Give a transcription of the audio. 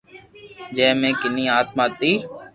جي مي ڪني آتما ھتي